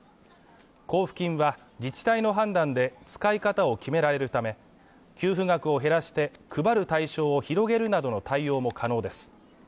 交付金は、自治体の判断で使い方を決められるため、給付額を減らして配る対象を広げるなどの対応も可能です。